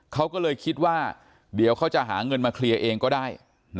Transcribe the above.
เขาก็เลยคิดว่าเดี๋ยวเขาจะหาเงินมาเคลียร์เองก็ได้